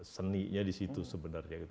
seninya di situ sebenarnya